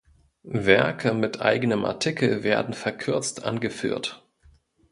Werke mit eigenem Artikel werden verkürzt angeführt.